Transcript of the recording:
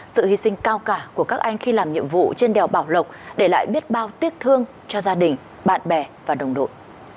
sự hy sinh cao cả của các anh khi làm nhiệm vụ trên đèo bảo lộc để lại biết bao tiếc thương cho gia đình bạn bè và đồng đội